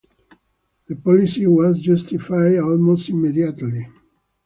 The policy was justified almost immediately.